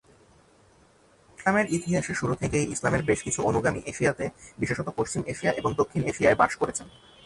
ইসলামের ইতিহাসের শুরু থেকেই ইসলামের বেশ কিছু অনুগামী এশিয়াতে বিশেষত পশ্চিম এশিয়া এবং দক্ষিণ এশিয়ায় বাস করেছেন।